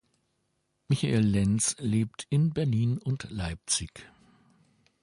Michael Lentz lebt in Berlin und Leipzig.